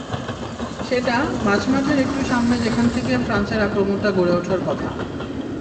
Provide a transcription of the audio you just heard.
সেটা মাঝমাঠের একটু সামনে যেখান থেকে ফ্রান্সের আক্রমণটা গড়ে ওঠার কথা।